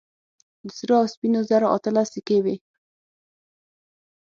د سرو او سپينو زرو اتلس سيکې وې.